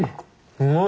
うまい！